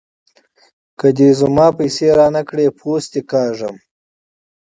که دې زما پيسې را نه کړې؛ پوست دې کاږم.